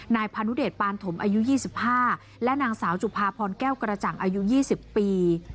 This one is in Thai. พานุเดชปานถมอายุ๒๕และนางสาวจุภาพรแก้วกระจ่างอายุ๒๐ปี